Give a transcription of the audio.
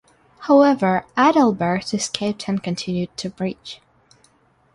However Adalbert escaped and continued to preach.